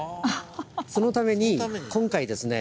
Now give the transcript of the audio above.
そのために今回ですね